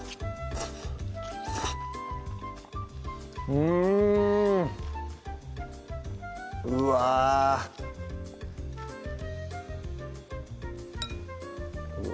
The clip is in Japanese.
うんうわぁうわ